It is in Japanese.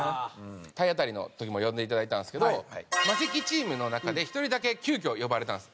体当たりの時も呼んでいただいたんですけどマセキチームの中で１人だけ急遽呼ばれたんです。